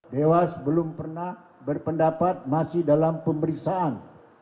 dewas belum pernah berpendapat masih dalam pemeriksaan